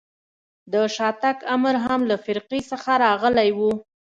د شاتګ امر هم له فرقې څخه راغلی و.